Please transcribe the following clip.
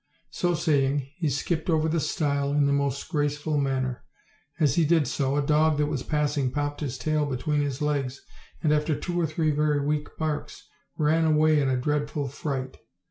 So saying, he skipped over the stile in the most grace ful manner. As he did so a dog that was passing popped his tail between his legs, and after two or three very weak barks, ran away in a dreadful fright.